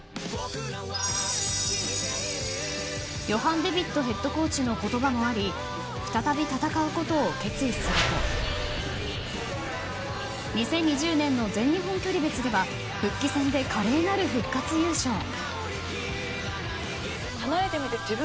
ヨハン・デビットヘッドコーチの言葉もあり再び戦うことを決意すると２０２０年の全日本距離別では復帰戦で華麗なる復活優勝。